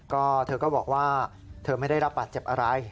ก็เธอก็บอกว่าเธอไม่ได้รับบาดเจ็บอะไร